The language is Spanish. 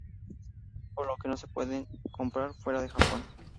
Por lo que no se pueden comprar fuera de Japón.